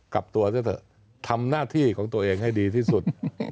กลับตัวซะเถอะทำหน้าที่ของตัวเองให้ดีที่สุด